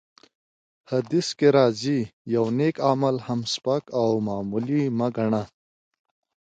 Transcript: حديث کي راځي : يو نيک عمل هم سپک او معمولي مه ګڼه!